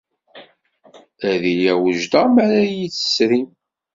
Ad iliɣ wejdeɣ mi ara iyi-tesrim.